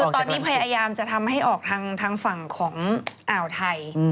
คือตอนนี้พยายามจะทำให้ออกทางฝั่งของอ่าวไทย